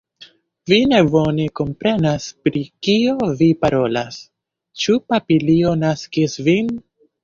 Vi ne bone komprenas pri kio vi parolas, ĉu papilio naskis vin?